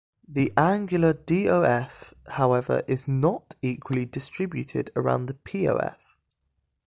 The angular DoF, however, is "not" equally distributed about the PoF.